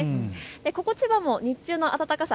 ここ千葉も日中の暖かさ